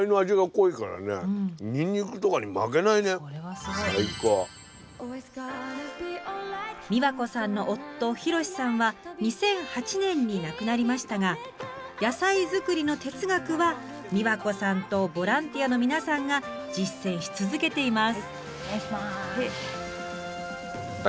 スタジオ美和子さんの夫博四さんは２００８年に亡くなりましたが野菜作りの哲学は美和子さんとボランティアの皆さんが実践し続けています。